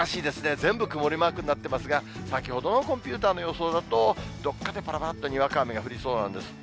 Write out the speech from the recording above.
全部曇りマークになってますが、先ほどのコンピューターの予想だと、どっかでぱらぱらっとにわか雨が降りそうなんです。